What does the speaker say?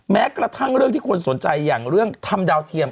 แม้กระทั่งเรื่องที่คนสนใจอย่างเรื่องทำดาวเทียม